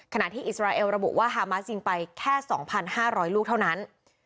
ขณะที่อิสราเอลระบุว่าฮามาสจริงไปแค่๒๕๐๐ลูกเท่านั้น